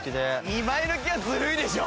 ２枚抜きはずるいでしょ！